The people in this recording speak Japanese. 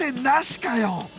なしかよ！